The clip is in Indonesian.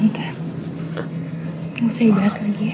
nggak usah dibahas lagi ya